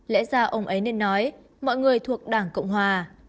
lẽ ra ông ấy nên nói mọi người thuộc đảng cộng hòa